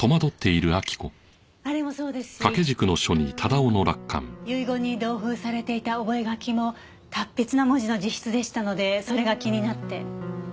あれもそうですし遺言に同封されていた覚書も達筆な文字の自筆でしたのでそれが気になって。